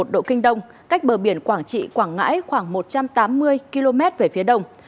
một trăm một mươi một độ kinh đông cách bờ biển quảng trị quảng ngãi khoảng một trăm tám mươi km về phía đông